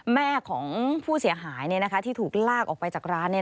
แม่ของผู้เสียหายที่ถูกลากออกไปจากร้าน